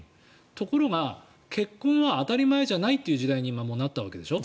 ところが、結婚は当たり前じゃないという時代に今、もうなったわけでしょ。